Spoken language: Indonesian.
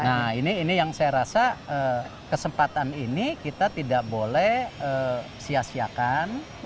nah ini yang saya rasa kesempatan ini kita tidak boleh sia siakan